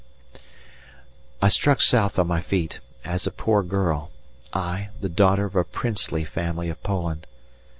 I struck south on my feet, as a poor girl I, the daughter of a princely family of Poland!